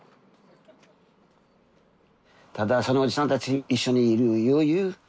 ただそのおじさんたち一緒にいる余裕